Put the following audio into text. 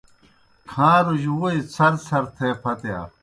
کھاݩروجیْ ووئی څھرڅھر تھے پھتِیا۔